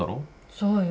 そうよ。